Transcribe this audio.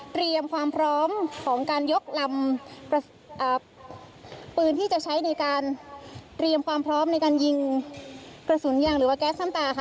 เตรียมความพร้อมของการยกลำปืนที่จะใช้ในการเตรียมความพร้อมในการยิงกระสุนยางหรือว่าแก๊สน้ำตาค่ะ